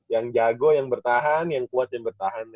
yang jago yang bertahan yang kuat yang bertahan